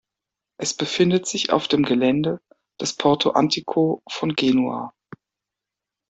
Es befindet sich auf dem Gelände des Porto Antico von Genua.